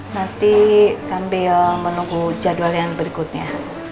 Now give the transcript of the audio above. nanti sambil menunggu jadwal yang berikutnya